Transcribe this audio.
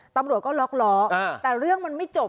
ตำรวจก็ล็อกล้อแต่เรื่องมันไม่จบ